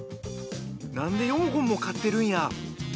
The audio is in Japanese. なんで４本も買ってるんや。